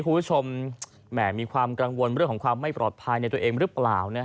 คุณผู้ชมมีความกังวลเรื่องของความไม่ปลอดภัยในตัวเองหรือเปล่า